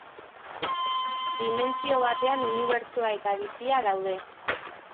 Dimentsio batean Unibertsoa eta bizia daude.